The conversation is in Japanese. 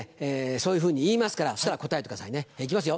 そういうふうに言いますからそしたら答えてくださいね行きますよ！